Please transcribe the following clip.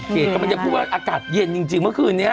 กำลังจะพูดว่าอากาศเย็นจริงเมื่อคืนนี้